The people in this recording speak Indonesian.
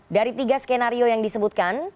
dari tiga skenario yang disebutkan